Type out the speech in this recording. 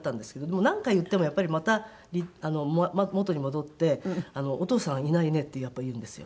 でも何回言ってもやっぱりまた元に戻って「お父さんいないね」ってやっぱり言うんですよ。